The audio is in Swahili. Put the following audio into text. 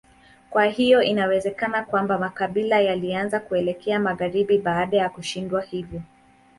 Kwa hiyo inawezekana kwamba makabila yalianza kuelekea magharibi baada ya kushindwa hivyo.